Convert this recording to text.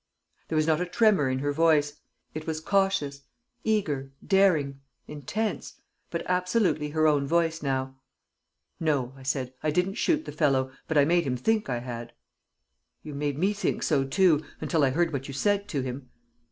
There was not a tremor in her voice; it was cautious, eager, daring, intense, but absolutely her own voice now. "No," I said, "I didn't shoot the fellow, but I made him think I had." "You made me think so too, until I heard what you said to him."